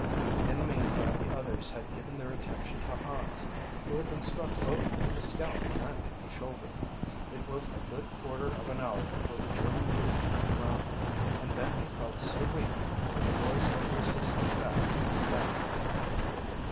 In the meantime the others had given their attention to Hans, who had been struck both in the scalp and in the shoulder. It was a good quarter of an hour before the German youth came around, and then he felt so weak that the boys had to assist him back to the academy.